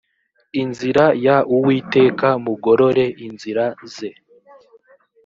inzira y uwiteka mugorore inzira ze